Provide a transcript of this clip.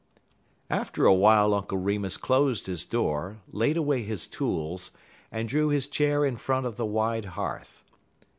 After a while Uncle Remus closed his door, laid away his tools, and drew his chair in front of the wide hearth.